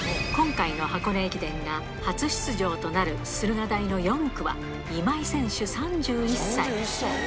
今回の箱根駅伝が初出場となる駿河台の４区は、今井選手３１歳。